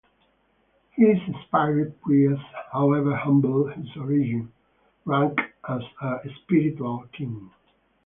His inspired priest, however humble his origin, ranks as a spiritual king.